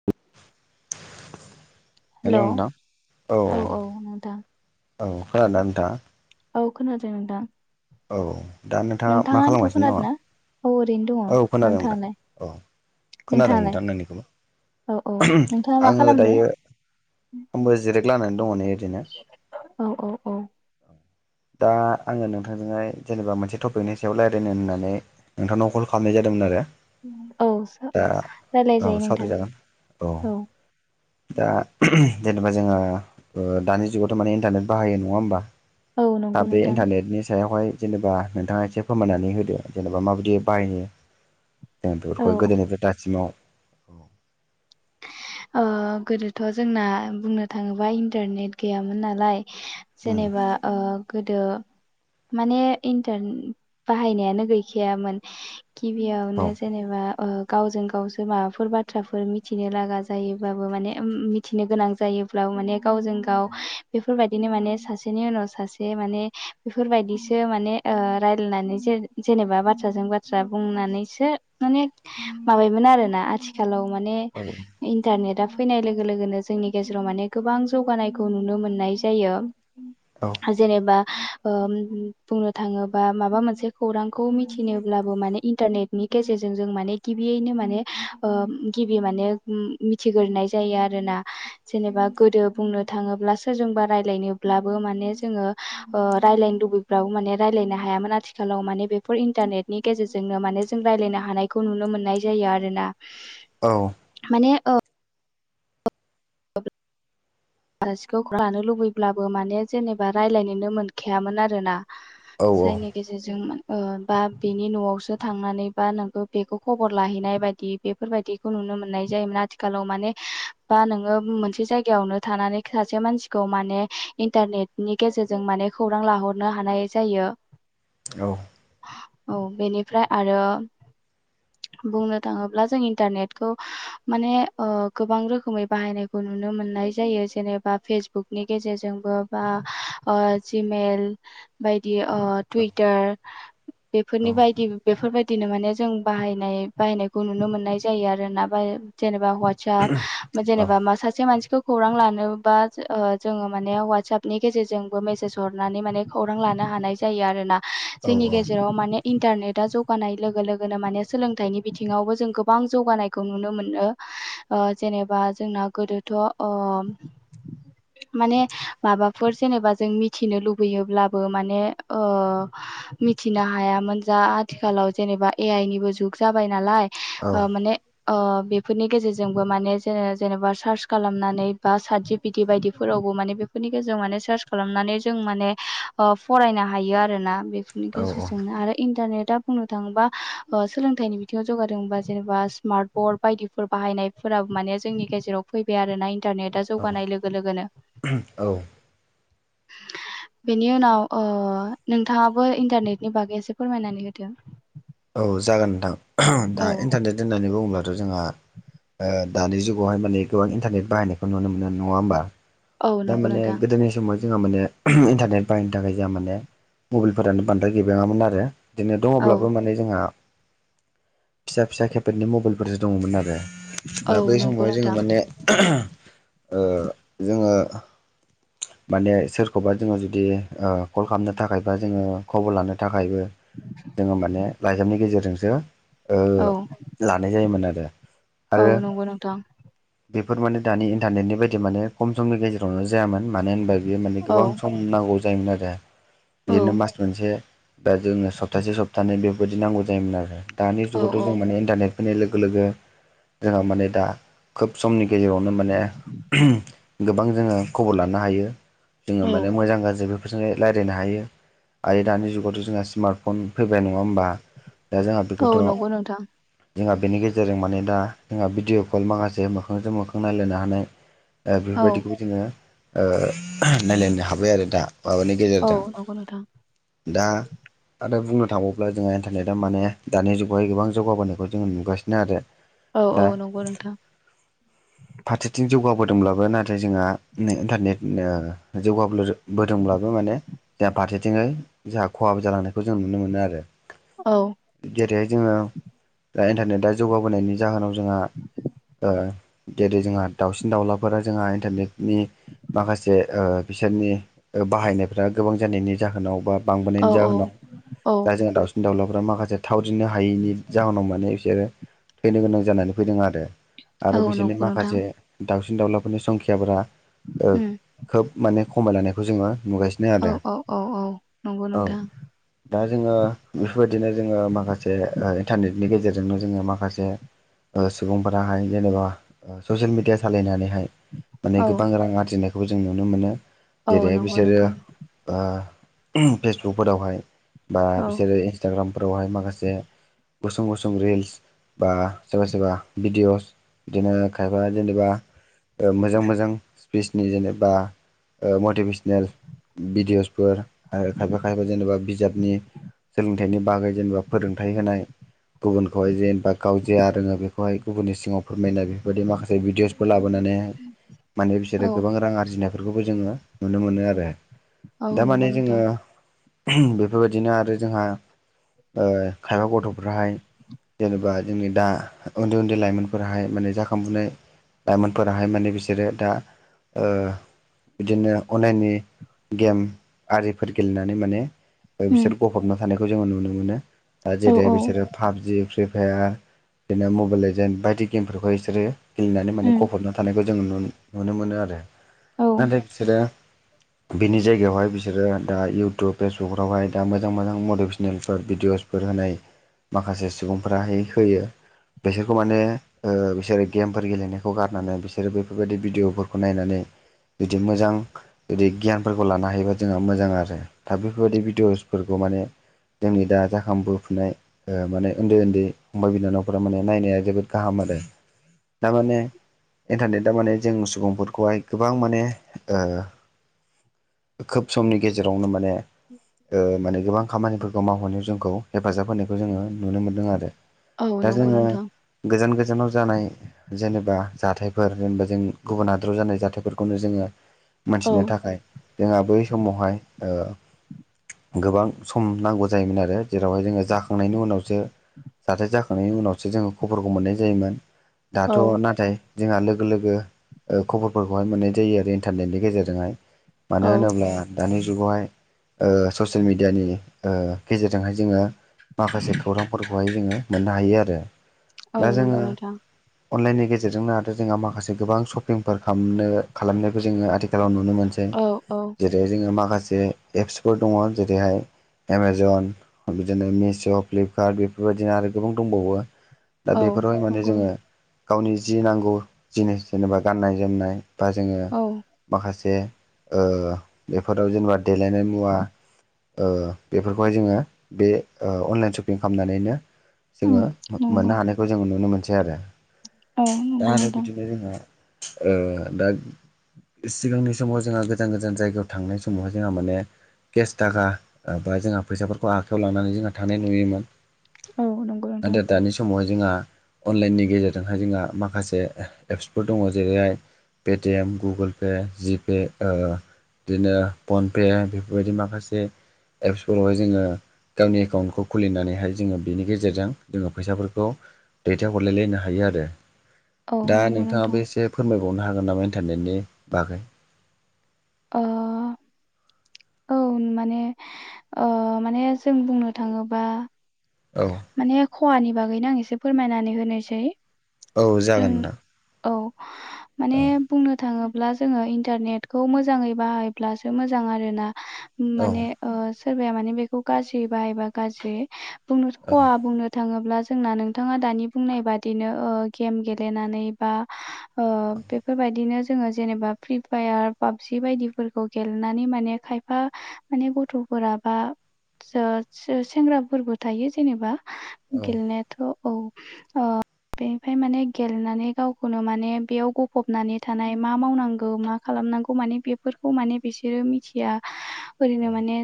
[inaudible] [inaudible] हेल' hello नोंथां औ औ खोनादा नोंथां औ खोनादों नोंथां औ दा नोंथाङा मा आंनिखौ खालामगासिनो खोनादों दङ' ना? औ ओरैनो दङ औ खोनादों नोंथां नोंथाङालाय औ खोनादों नोंथाङालाय नोंथांनिखौबो औ औ नोंथाङा मा आङो खालामदो? दायो आंबो जिराय गोलांनानै दङ' नै ओरदिनो औ औ औ दा आङो नोंथांजोंहाय जेनेबा मोनसे टपिकनि सायाव रायज्लायनो होननानै नोंथांनाव कल खालामनाय जादोंमोन आरो औ दा औ रायलायजायो नोंथां सत्रि जागोन औ दा जेनेबा जोङो दानि जुगावथ' माने इन्टारनेट बाहायो नङा होमबा औ दा नंगौ बे नोंथां इन्टारनेटनि सायावहाय जेनेबा नोंथाङा एसे फोरमायनानै होदो जेनेबा माबायदि बायनो जों औ बेफोरखौ गोदोनिफ्राय दासिमाव ओ गोदोथ' जोंना बुंनो थाङोब्ला इन्टारनेट गैयामोन नालाय उम जेनेबा गोदो माने इन्टार बाहायनायानो गैखायामोन औ गिबियावनो जेनेबा गावजों गावसो माबाफोर बाथ्राफोर मि मिथिनो लागा जायोब्लाबो माने मिथिनो गोनां जायोब्लाबो माने गावजों गाव बेफोरबायदिनो माने सासेनि उनाव सासे माने बेफोरबायदिसो माने रायज्लायनानैसे जेनेबा बाथ्राजों बाथ्रा बुंनानैसो माने माबायोन आरो ना आथिखालाव माने औ इन्टारनेटा फैनाय लोगो लोगोनो जोंनि गेजेराव माने गोबां जौगानायखौ नुनो मोननाय जायो जेनेबा बुंनो थाङोबा माबा मोनसे खौरांखौ मिथिनोब्लाबो माने इन्टारनेट गेजेरजों जों माने गिबियैनो माने ओ गि माने मिथिग्रोनाय जायो आरो ना जेनेबा गोदो बुंनो थाङोब्ला सोरजोंबा राय्लायनोब्लाबो माने जोङो रायजलायनो लुबैयो राव माने रायलायनो हायामोन आथिखालाव माने बेफोर इन्टारनेटनि गेजेरजोंनो माने जों रायलायनो हानाय खौ नुनो मोननाय जायो आरोना औ माने आ [unintelligible] आलासिखौ लानो लुबैब्लाबो माने जेनेबा रायज्लायनोनो मोनखायामोन आरोना औ जेने गेजेरजों ओ बा बेनि न'आवसो थांनानै बा नोंखौ बेखौ खबर लाहैनाय बायदि बेफोरबायदिखौ नुनो मोननाय जायोमोन आथिखालाव माने बा नोङो मोनसे जायगायावनो थानानै सासे मानसिखौ माने इन्टारनेटनि गेजेरजों माने खौरां लाहरनो हानाय जायो औ औ बेनिफ्राय आरो बुंनो थाङोब्ला जों इन्टारनेटखौ माने गोबां रोखोमै बाहायनाय खौ नुनो मोननाय जायो जेनेबा फेसबुकनि गेजेरजोंबो बा ओ जिमेल बायदि ओ टुइटार बेफोरनि बायदि बेफोरबायदिनो माने जों बाहायनाय बाहायनायखौ नुनो मोननाय जायो आरो न बा जेनेबा हा जेनेबा मा सासे मानसिखौ खौरां लानोबा जोङो माने ववाट्सपनि गेजेरजोंबो मेसेज जरनानै माने खौरां लानो हानाय जायो आरोना जोंनि गेजेराव माने इन्टारनेटा जौगानाय लोगो लोगोनो माने सोलोंथाइनि बिथिङावबो जों गोबां जौगानायखौ नुनो मोनो ओ जेनेबा जोंना गोदोथ' ओम [inaudible] माने माबाफोर जेनेबा जों मिथिनो लुबैयोब्लाबो माने मिथिनो हायामोन जा आथिखालाव जेनेबा ए आइ निबो जुग जाबाय नालाय ओ माने ओ बेफोरनि गेजेरजोंबो माने जे-जेनेबा सार्च खालामनानै बा सात जिपिटि बायदिफोरावबो माने बेफोरनि गेजेराव माने सार्च खालामनानै जों माने ओ फरायनो हायो आरोना बेफोरनि गेजेरजोंनो आरो इन्टारनेटआ बुंनो थाङोबा ओ सोलोंथाइनि बिथिङाव जौगादोंबा जेनेबा स्मार्ट बर्ड बायदि फोर बाहायनायफोराबो माने जोंनि गेजेराव फैबाय आरोना इन्टारनेटा जौगानाय लोगो लोगोनो [inaudible] बेनि उनाव ओ नोंथाङाबो इन्टारनेटनि बागै एसे फोरमायनानै होदो औ जागोन नोंथां औ दा इन्टारनेट होननानै बुङोबथ' जोंहा दानि जुगावहाय माने गोबां इन्टारनेट बाहायनायखौ नुनो मोनो नङा होमबा औ नंगौ दारमाने नोंथां गोदोनि समाव जोंहा माने इन्टारनेट बाहायनो थाखाय जोंहा माने मबाइलफोरानो बांद्राय गैबङामोन आरो बिदिनो औ दङब्लाबो माने जोंहा फिसा फिसा केपेडनि मबाइलफोरसो दङमोन आरो औ दा बै नंगौ समावहाय जोङो नोंथां माने ओ जोङो माने सोरखौबा जोङो जुदि कल खालामनो थाखायबा जोङो खबर लानो थाखायबो जोङो माने लाइजामनि गेजेरजोंसो ओ औ लानाय जायोमोन आरो औ आरो नंगौ नोंथां बेफोर माने दानि इन्टारनेटनि बायदि माने खम समनि गेजेरावनो जायामोन मानो होनबा बेयो माने औ गोबां सम नांगौ जायोमोन आरो औ बिनो मास मोनसे बा जोङोनो सप्तासे सप्तानैै बेफोरबायदि नांगौ जायोमोन आरो दानि औ जुगावथ' औ जों माने इन्टारनेट फैनाय लोगो लोगो जोंहा माने दा खोब समनि गेजेरावनो माने गोबां जोङो खबर लानो हायो जोङो औ माने मोजां गाज्रिबो बेफोरजोंनो रायज्लायनो हायो आरो दानि जुगावथ' जोंहा स्मार्टफन फैबाय नङा होमबा दा जोंहा औ बेखौथ' नंगौ नोंथां जोंहा बेनि गेजेरजों माने दा जोंहा भिडिअ' कल माखासे मोखांजों मोखां नायलायनो हानाय ओ औ बेफोरबायदिखौ जोङो ओ नायलायनो हाबाय आरो दा माबानि औ गेजेरजों नंगौ नोंथां दा आरो बुंनो थाङोब्ला जोंहा इन्टारनेटआ माने दानि जुगावाय गोबां जौगाबोनायखौ जोङो नुगासिनो आरो औ औ दा नंगौ नोंथां फारसेथिं जौगाबोदोंब्लाबो नाथाय जोंहा नेटइन्टारनेट ओ जौगाबबोदोंब्लाबो माने जोंहा फारसेथिंङै जोंहा खहाबो जालांनायखौ जों नुनो मोनो आरो औ जेरैहाय जोङो दा इन्टारनेटआ जौगाबोनायनि जाहोनाव जोंहा ओ जेरै जोंहा दाउसिन दाउलाफोरा जोंहा इन्टारनेट नि माखासे ओ बिसोरनि बाहायनायफ्रा गोबां जानायनि जाहोनाव बा औ बांबोनायनि औ जाहोनाव औ दा जोंहा दावसि न दाउलाफ्रा माखासे थाव दिन्नो हायैनि जाहोनाव माने बिसोरो थैनो गोनां जानानै फैदों आरो औ आरो बिसोरनि नंगौ नोंथां माखासे दाउसिन दाउलाफोरनि संखयाफोरा ओ उम खोब माने खमायलानायखौ जोङो नुगासिनो औ आरो औ औ औ नंगौ औ नोंथां दा जोङो बेफोरबायदिनो जोङो माखासे इन्टारनेटनि गेजेरजोंनो जोङो माखासे सिगफोराारह जेनबा ससियेल मिडिया सालायनानैहाय माने औ गोबां रां आरजिनायखौबो जों नुनो मोनो औ जेरैहाय नंगौ बिसोरो नोंथां ओ फेसबुकफोरावहाय बा औ बिसोरो इन्स्टाग्रामफोरावहाय माखासे गुसुं गुसुं रिल्स बा सोरबा सोरबा भिडिअ'स बिदिनो खायफा जेनेबा मोजां मोजां [unintelligible] सनि जेनेबा मटिभेसनेल भिडिअ'सफोर आरो खायफा खायफा जेनेबा बिजाबनि सोलोंथाइनि बागै जेनेबा फोरोंथाइ होनाय गुबुनखौहाय जेनेबा गाव जेाया रोङो बेखौहाय गुबुननि सिगाङाव फोरमायनाय बेफोरबायदि माखासे भिडिअसफोर लाबोनानै माने बिसोरो औ गोबां रां आरजिनायफोरखौबो जोङो नुनो मोनो आरो। औ नंगौ दारमाने जोङो नोंथां बेफोरबायदिनो आरो जोंहा खायबा गथ'फोराहाय जेनेबा जोंनि दा उन्दै उन्दै लाइमोनफोरहाय माने जाखांफुनाय लाइमोनफोराहाय माने बिसोरो दा ओ बिदिनो अनलाइननि गेम आरिफोर गेलेनानै माने बिसोर उम गफबना थानायखौ जोङो नुनो मोनो। दा औ जेरै औ बिसोरो पाबजि फ्रि फायार बिदिनो मबाइल एजेन बायदि गेमफोरखौ बिसोरो गेलेनानै माने उम गफबना थानायखौ जोङो नुनो नुनो मोनो आरो। औ नाथाय बिसोरो बिनि जायगायावहाय बिसोरो दा इउटुब फेसबुकफ्रावहाय दा मोजां मोजां मटिभेसनेलफोर भिडिअस फोर होनाय माखासे सुबुंफोराहाय होयो। बिसोरखौ माने बिसोरो गेमफोर गेलेनायखौ गारनानै बिसोरो बेफोरबायदि भिडिअफोरखौ नायनानै जुदि मोजां जुदि गियानफोरखौ लानो हायोबा जोंहा मोजां आरो। दा बेफोरबायदि भिडिअ'सफोरखौ माने जोंनि दा जाखांबोफुनाय ओ माने उन्दै उन्दै फंबाय बिनानावफोरा माने नाया जोबोद गाहाम आरो थारमाने इन्टारनेटा माने जों सुबुंफोरखौहाय गोबां माने ओ खोब समनि गेजेरावनो माने माने गोबां खामानि गोमाहनायाव जोंखौ हेफाजाब होनायखौ जोङो नुनो मोनदों आरो। औ दा नंगौ जोङो नोंथां गोजान गोजानाव जानाय जेनेबा जाथायफोर जेनेबा जों गुबुन हादराव जानाय जाथायफोरखौनो जोङो औ मोनथिनो थाखाय जोंहा बै समावहाय गोबां सम नांगौ जायोमोन आरो जेरावहाय जोङो जाखांनायनि उनावसो जाथाय जाखांनायनि उनावसो जोङो खबरखौ मोननाय जायोमोन दाथ' औ नाथाय जोंहा लोगो लोगो ओ खबरफोरखौहाय मोननाय जायो आरो इन्टारनेटनि गेजेरजोंहाय। औ मानो होनोब्ला दानि जुगावहाय ओ ससियेल मिडियानि ओ गेजेरजोंहाय जोङो माखासे खौरांफोरखौहाय जोङो मोननो हायो आरो। औ दा जोङो नंगौ नोंथां अनलाइननि गेजेरजों आरो जोंहा माखासे गोबां सप फोर खालामनो खालामनायखौ जोङो आथिखालाव नुनो मोनसै। औ औ जेरै जोङो माखासे एप्सफोर दङ जेरैहाय एमाजन बिदिनो मिश' फ्लिपकार्ट बेफोरबायदिनो आरो गोबां दंबावो दा औ बेफोरावहाय माने नंगौ जोङो गावनि जि नांगौ जिनिस जेनेबा गाननाय जोमनाय बा जोङो औ माखासे बेफोराव जेनेबा देलायनाय मुवा ओ बेफोरखौहाय जोङो बे ओ अनलाइन सपिं खालामनानैनो उम जोङो नंगौ मोननो हानायखौ जोङो नुनो मोनसै आरो। औ दा नंगौ आरो नोंथां बिदिनो जोंहा ओ दा सिगांनि समाव जोंहा गोजान गोजान जायगायाव थांनाय समावहाय जोंहा माने केस थाखा बा जोंहा फैसाफोरखौ आखायाव लानानै जोंहा थानाय नुयोमोन औ नंगौ नोंथां नाथाय दानि समावहाय जोंहा अनलाइननि गेजेरजोंहाय जोंहा माखासे एप्सफोर दङ जेरैहाय पेटिएम गुगोल पे जिपे ओ बिदिनो फनपे बेफोरबायदि माखासे एप्सफोरावहाय जोङो गावनि एकाउन्टखौ खुलिनानैहाय जोङो बेनि गेजेरजों जोङो फैसाफोरखौ दैथायहरलायलायनो हायो आरो औ दा नंगौ नोंथां नोंथाङाबो एसे फोरमायबावनो हागोन नामा इन्टारनेटनि बागै ओ औ माने माने जों बुंनो थाङोबा औ माने खहानि बागैनो आं एसे फोरमायनानै होनोसै। औ जों जागोनदां औ माने बुंनो थाङोब्ला जोङो इन्टारनेटखौ मोजाङै बाहायब्लासो मोजां आरोना। औ माने सोरबाया माने बेखौ गाज्रि बाहायबा गाज्रि बुंनो औ औ खहा बुंनो थाङोब्ला जोंना नोंथाङा दानि बुंनाय बादिनो गेम गेलेनानै बा बेफोरबायदिनो जोङो जेनेबा फ्रि फायार, पाबजि बायदिफोरखौ गेलेनानै माने खायफा माने गथ'फोरा बा सेंग्राफोरबो थायो जेनेबा औ गेलेनायाथ' औ ओमफाय माने गेलेनानै गावखौनो माने बेयाव गफबनानै थानाय मा मावनांगौ मा खालामनांगौ माने बे बेफोरखौ माने बिसोरो मिथिया ओरैनो माने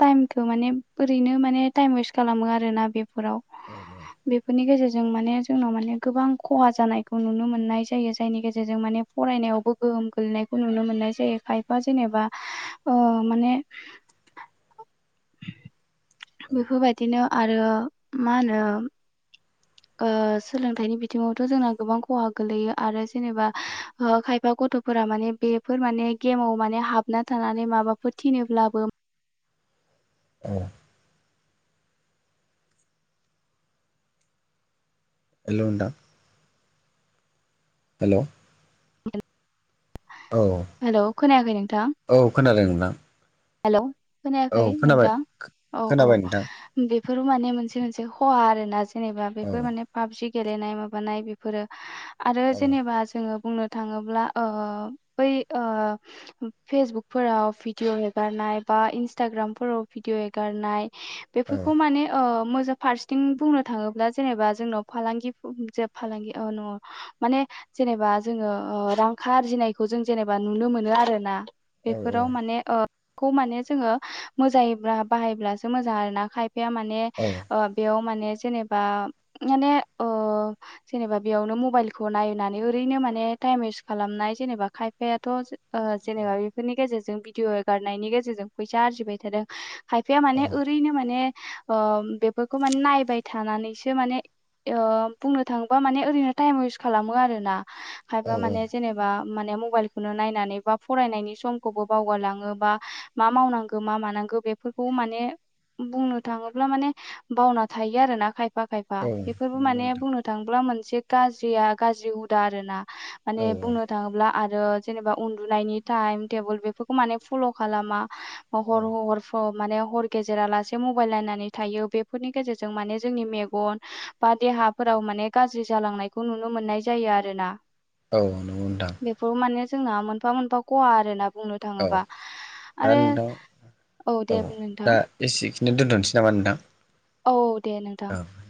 टाइमखौ माने ओरैनो माने टाइम वेस्ट खालामो आरोना बे फोराव औ बेफोरनि गेजेरजों माने जोंनाव माने गोबां खहा जानायखौ नुनो मोननाय जायो जायनि गेजेरजों माने फरायनायावबो गोहोम गोलैनाय खौ नुनो मोननाय जायो खायफा जेनेबा माने बेफोरबायदिनो आरो मा होनो सोलोंथाइनि बिथिङावथ' जोंना गोबां खहा गोलैयो आरो जेनेबा खायफा गथ' फोरा माने बेफोर माने गेमाव माने हाबना थानानै माबाफोर थिनोब्लाबो औ हेलौ नोंथां हेल' औ हेल' खोनायाखै नोंथां? औ खोनादों नोंथां हेल' औ खोनायाखै खोनाबाय नोंथां औ-औ खोनाबाय नोंथां बेफोर माने मोनसे मोनसे खहा आरो ना जेनेबा औ बेफोर माने पाबजि गेलेनाय माबानाय बेफोरो आरो औ जेनेबा जोङो बुंनो थाङोब्ला बै फेसबुकफोराव भिडिअ' बारनाय बा इन्सटाग्रामफोराव भिडिअ हगारनाय औ बेफोरखौ माने मोजां फारसेथिं बुंनो थाङोब्ला जेनेबा जोंनाव फालांगि जे फालांगि नङा माने जेनेबा जोङो रां आरजिनायखौ जों जेनेबा नुनो मोनो आरो ना। औ बेफोराव माने खौ माने जोङो मोजायोब्ला बाहायब्लासो मोजां आरो ना खायफाया माने औ बेयाव माने जेनेबा माने जेनेबा बेयावनो मबाइलखौ नायनानै ओरैनो माने टाइम वेस्ट खालामनाय जेनेबा खायफायाथ' जेनेबा बेफोरनि गेजेरजों भिदिअ' गारनायनि गेजेरजों फैसा आरजिबाय थादों खायफाया माने ओरैनो माने बेफोरखौ माने नायबाय थानानैसो माने ओ बुंनो थाङोबा माने ओरैनो टाइम वेस्ट खालामो आर ना। खायबा माने जेनेबा माने मबाइलखौनो नायनानै बा फरायनायनि समखौबो बावगारलाङो बा मा मावनांगौ मा मानांगौ बेफोरखौ माने बुंनो थाङोब्ला माने बावना थायो आरोना खायफा खायफा बेफोरबो नंगौ माने नोंथां बुंनो थांब्ला मोनसे गाज्रिआ गाज्रि हुदा आरोना माने औ बुंनो थाङोब्ला आरो जेनेबा उन्दुनायनि टाइम टेबोल बेफोरखौ माने फल' खालामा औ [unintelligible] माने हर गेजेरा लासे मबाइल नायनानै थायो बेफोरनि गेजेरजों माने जोंनि मेगन बा देहाफोराव माने गाज्रि जालांनायखौ नुनो मोननाय जायो आरो ना। औ नंगौ नोंथां। बेफोर माने जोंना मोनफा मोनफा खहा आरोना बुंनो औ थाङोबा। दा आरो नोंथां औ दे बुं नोंथां दा एसेखिनि दोन्थ'नोसै नामा नोंथां? औ दे नों औ